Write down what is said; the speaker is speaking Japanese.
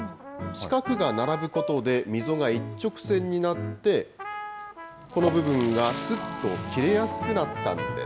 四角が並ぶことで、溝が一直線になって、この部分がすっと切れやすくなったんです。